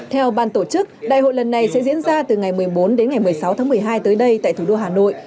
theo ban tổ chức đại hội lần này sẽ diễn ra từ ngày một mươi bốn đến ngày một mươi sáu tháng một mươi hai tới đây tại thủ đô hà nội